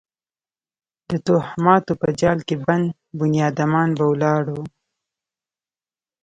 د توهماتو په جال کې بند بنیادمان به ولاړ وو.